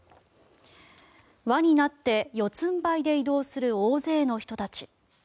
輪になって四つんばいで移動する大勢の人たち。